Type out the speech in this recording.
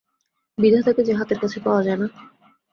বিধাতাকে যে হাতের কাছে পাওয়া যায় না।